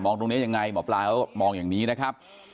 ตรงนี้ยังไงหมอปลาเขามองอย่างนี้นะครับ